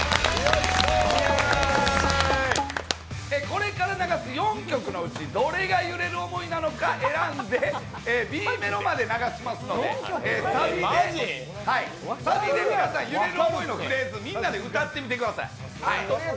これから流す４曲のうち、どれが「揺れる想い」なのか選んで、Ｂメロまで流しますのでサビで「揺れる想い」のフレーズ、みんなで歌ってみてください。